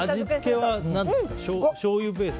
味付けはしょうゆベース？